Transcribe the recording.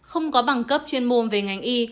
không có bằng cấp chuyên môn về ngành y